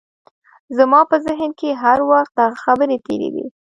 زما په ذهن کې هر وخت دغه خبرې تېرېدې